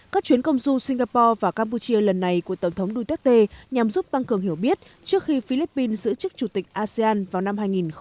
các chuyến công du singapore và campuchia lần này của tổng thống duterte nhằm giúp tăng cường hiểu biết trước khi philippines giữ chức chủ tịch asean vào năm hai nghìn hai mươi